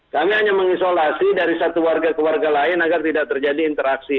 kami hanya mengisolasi dari satu warga ke warga lain agar tidak terjadi interaksi